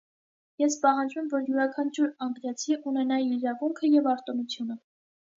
Ես պահանջում եմ, որ յուրաքանչյուր անգլիացի ունենա իր իրավունքը և արտոնությունը։